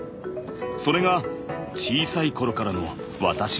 それが小さい頃からの私でした。